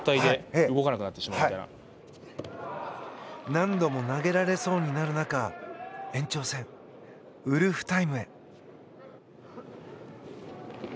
何度も投げられそうになる中延長戦、ウルフタイムへ。